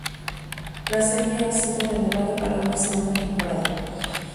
La serie ha sido renovada para una segunda temporada.